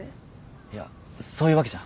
いやそういうわけじゃ。